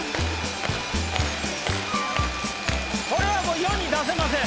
これはもう世に出せません。